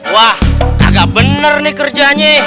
wah agak bener nih kerjanya